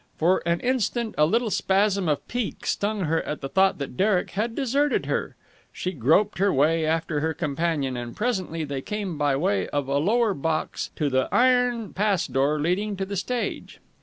For an instant a little spasm of pique stung her at the thought that Derek had deserted her. She groped her way after her companion, and presently they came by way of a lower box to the iron pass door leading to the stage.